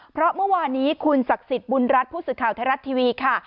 เพราะเมื่อวานนี้คุณศักดิ์สิทธิ์บุญรัฐผู้สื่อข่าวไทยรัฐทีวีค่ะ